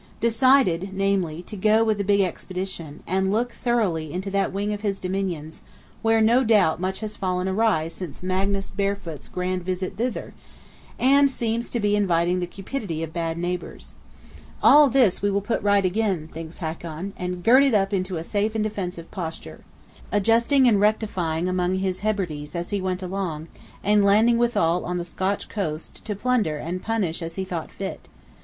Decided, namely, to go with a big expedition, and look thoroughly into that wing of his Dominions; where no doubt much has fallen awry since Magnus Barefoot's grand visit thither, and seems to be inviting the cupidity of bad neighbors! "All this we will put right again," thinks Hakon, "and gird it up into a safe and defensive posture." Hakon sailed accordingly, with a strong fleet; adjusting and rectifying among his Hebrides as he went long, and landing withal on the Scotch coast to plunder and punish as he thought fit.